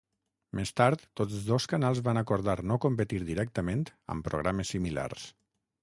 Més tard, tots dos canals van acordar no competir directament amb programes similars.